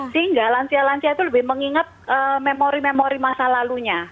sehingga lansia lansia itu lebih mengingat memori memori masa lalunya